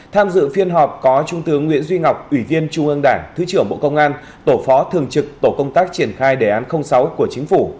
tham dự phiên họp có trung tướng nguyễn duy ngọc ủy viên trung ương đảng thứ trưởng bộ công an tổ phó thường trực tổ công tác triển khai đề án sáu của chính phủ